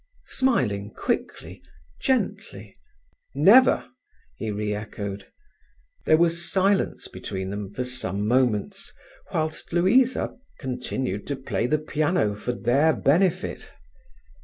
Smiling quickly, gently—" "Never?" he re echoed. There was silence between them for some moments, whilst Louisa continued to play the piano for their benefit.